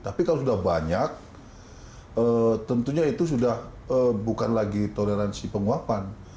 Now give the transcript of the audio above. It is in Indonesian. tapi kalau sudah banyak tentunya itu sudah bukan lagi toleransi penguapan